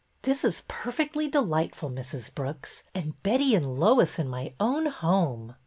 '' This is perfectly delightful, Mrs. Brooks. And Betty and Lois in my own home!